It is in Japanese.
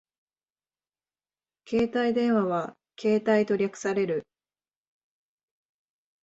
携帯電話はケータイと略される